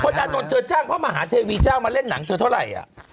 อานนท์เธอจ้างพระมหาเทวีเจ้ามาเล่นหนังเธอเท่าไหร่